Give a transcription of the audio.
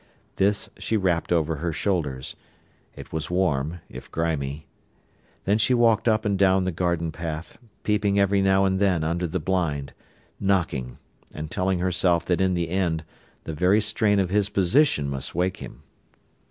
This she wrapped over her shoulders. It was warm, if grimy. Then she walked up and down the garden path, peeping every now and then under the blind, knocking, and telling herself that in the end the very strain of his position must wake him.